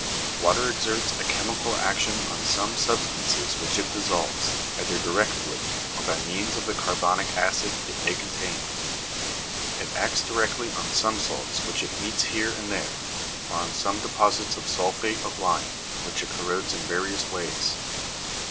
Water exerts a chemical action an some substances which it dissolves, either directly or by means of the carbonic acid it may contain. It acts directly on some salts which it meets here and there, or on some deposits of sulphate of lime, which it corrodes in various ways.